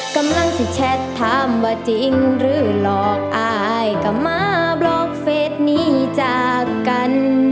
กำลังจะแชทถามว่าจริงหรือหลอกอายก็มาบล็อกเฟสนี้จากกัน